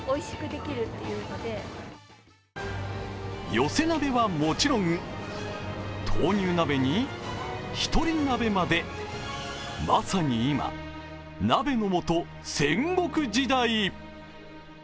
寄せ鍋はもちろん、豆乳鍋にひとり鍋までまさに今、鍋のもと戦国時代。